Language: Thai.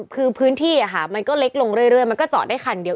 คือพื้นที่มันก็เล็กลงเรื่อยมันก็จอดได้คันเดียว